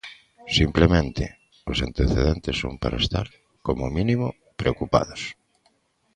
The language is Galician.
Simplemente, os antecedentes son para estar, como mínimo, preocupados.